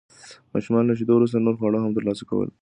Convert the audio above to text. ماشومان له شیدو وروسته نور خواړه هم ترلاسه کوي.